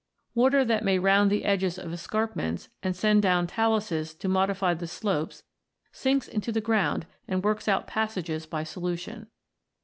Water that might round the edges of escarp ments and send down taluses to modify the slopes sinks into the ground and works out passages by solution.